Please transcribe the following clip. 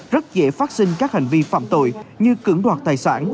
rất dễ phát sinh các hành vi phạm tội như cưỡng đoạt tài sản